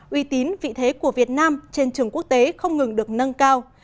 uy tín vị thế của việt nam trên trường quốc tế không ngừng được nâng cao